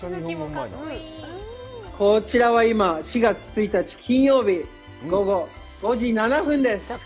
こちらは今、４月１日、金曜日、午後５時７分です。